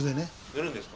塗るんですか？